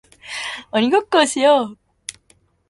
鬼ごっこをしよう